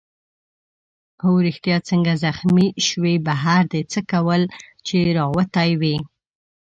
هو ریښتیا څنګه زخمي شوې؟ بهر دې څه کول چي راوتی وې؟